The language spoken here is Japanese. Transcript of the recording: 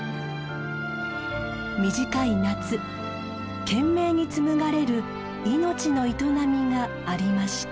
短い夏懸命に紡がれる命の営みがありました。